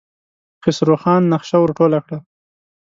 خسرو خان نخشه ور ټوله کړه.